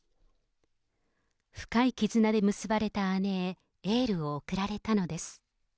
深い絆で結ばれた姉へエールを送られたのです。